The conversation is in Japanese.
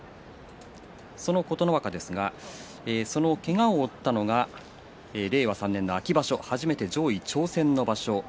その琴ノ若ですがけがを負ったのが令和３年の秋場所初めて上位挑戦の場所。